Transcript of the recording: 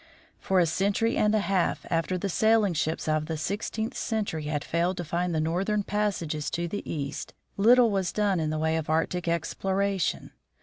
For a century and a half after the sailing ships of the sixteenth century had failed to find the northern passages to the East, little was done in the way of Arctic exploration.